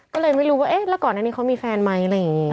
ก็เลยไม่รู้ว่าก่อนนี้เขามีแฟนไหม